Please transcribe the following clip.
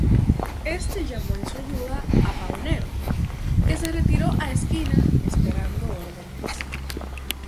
Este llamó en su ayuda a Paunero, que se retiró a Esquina, esperando órdenes.